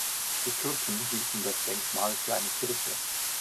Die Türken hielten das Denkmal für eine Kirche.